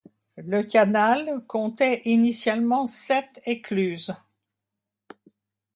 Le canal comptait initialement sept écluses.